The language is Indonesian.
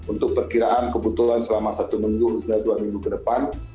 untuk perkiraan kebutuhan selama satu minggu hingga dua minggu ke depan